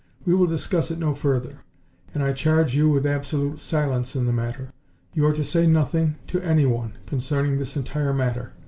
We will discuss it no further, and I charge you with absolute silence in the matter. You are to say nothing, to anyone, concerning this entire matter.